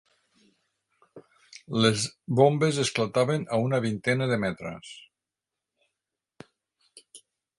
Les bombes esclataven a una vintena de metres